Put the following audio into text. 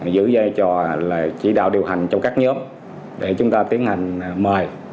giữ dây cho chỉ đạo điều hành cho các nhóm để chúng ta tiến hành mời